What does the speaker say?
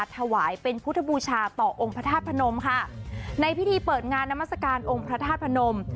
ถวายเป็นพุทธบูชาต่อองค์พระธาตุพนมค่ะในพิธีเปิดงานนามัศกาลองค์พระธาตุพนม